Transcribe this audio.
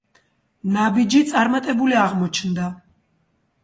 ნაბიჯი წარმატებული აღმოჩნდა.